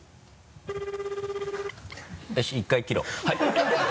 はい。